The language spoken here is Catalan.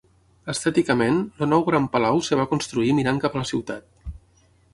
Estèticament, el nou Gran Palau es va construir mirant cap a la ciutat.